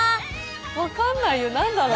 分かんないよ何だろう。